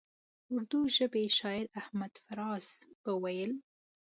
اردو ژبي شاعر احمد فراز به ویل.